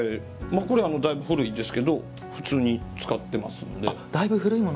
これは、だいぶ古いですけど普通に使っていますので。